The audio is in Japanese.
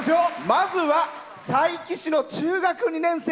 まずは佐伯市の中学２年生。